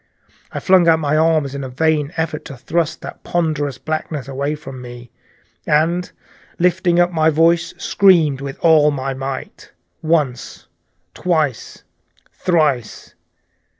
I flung out my arms in a vain effort to thrust that ponderous blackness away from me, and lifting up my voice, screamed with all my might, once, twice, thrice.